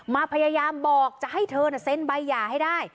พยายามบอกจะให้เธอเซ็นใบหย่าให้ได้